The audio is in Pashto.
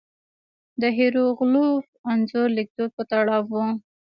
د هېروغلیف انځوریز لیکدود په تړاو وو.